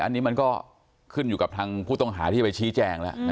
อันนี้มันก็ขึ้นอยู่กับทางผู้ต้องหาที่ไปชี้แจงแล้ว